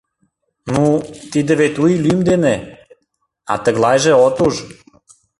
— Ну, тиде вет У ий лӱм дене, а тыглайже от уж.